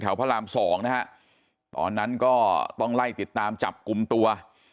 พระรามสองนะฮะตอนนั้นก็ต้องไล่ติดตามจับกลุ่มตัว